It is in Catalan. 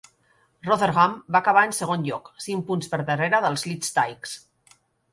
Rotherham va acabar en segon lloc, cinc punt per darrere dels Leeds Tykes.